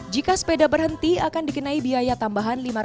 jika sepeda berhenti akan dikenai biaya tambahan